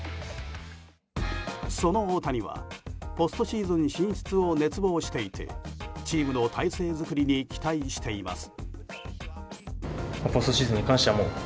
その大谷はポストシーズン進出を熱望していてチームの体制作りに期待しています。